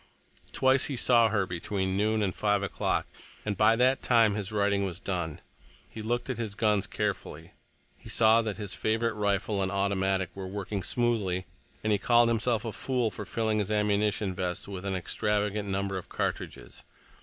Twice he saw her between noon and five o'clock, and by that time his writing was done. He looked at his guns carefully. He saw that his favorite rifle and automatic were working smoothly, and he called himself a fool for filling his ammunition vest with an extravagant number of cartridges.